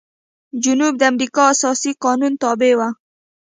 جنوب د امریکا اساسي قانون تابع و.